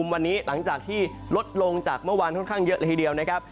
วันนี้หลังจากที่ลดลงจากเมื่อวานค่อนข้างเยอะเลยทีเดียวนะครับ